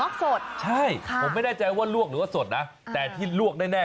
ขวงอกสดค่ะค่ะ